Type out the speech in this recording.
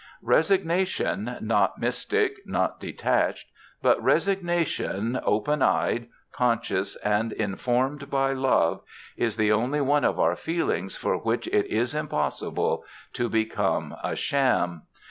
Resignation, not mystic, not detached, but resignation open eyed, conscious, and informed by love, is the only one of our feelings for which it is impossible to become a sham.